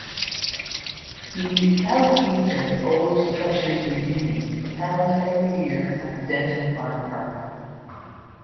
The "Southeastern Old Threshers Reunion" is held every year at the Denton Farmpark.